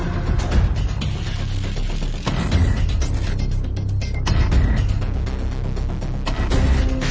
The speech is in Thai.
สุดท้ายสุดท้ายสุดท้ายสุดท้ายสุดท้าย